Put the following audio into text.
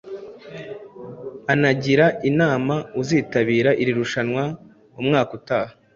anagira inama uzitabira iri rushanwa umwaka utaha